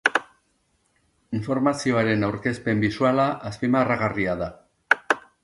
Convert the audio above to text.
Informazioaren aurkezpen bisuala azpimarragarria da.